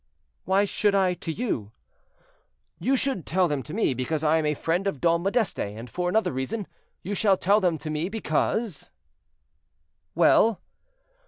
"Why should I to you?" "You should tell them to me because I am a friend of Dom Modeste, and, for another reason, you should tell them to me because—" "Well?"